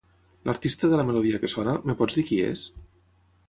L'artista de la melodia que sona, em pots dir qui és?